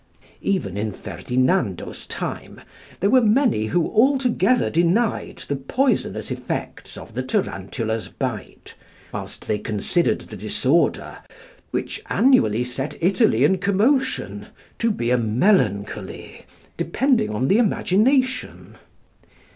Even in Ferdinando's time there were many who altogether denied the poisonous effects of the tarantula's bite, whilst they considered the disorder, which annually set Italy in commotion, to be a melancholy depending on the imagination.